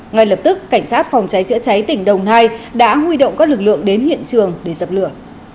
ngay lập tức cảnh sát phòng cháy chữa cháy tỉnh đồng nai đã huy động các lực lượng đến hiện trường để dập lửa